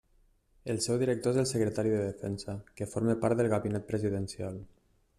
El seu director és el Secretari de Defensa, que forma part del gabinet presidencial.